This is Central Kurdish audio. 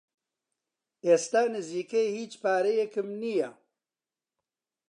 ئێستا نزیکەی هیچ پارەیەکم نییە.